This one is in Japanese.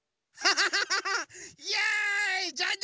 ハハハハ！